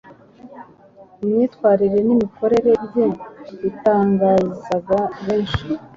Imyifatire n’imikorere bye batangazaga benshi,